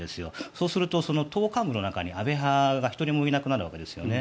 そうすると、党幹部の中に安倍派が１人もいなくなるわけですね。